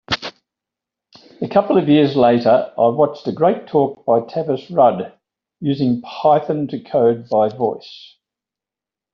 A couple years later I watched a great talk by Tavis Rudd, Using Python to Code by Voice.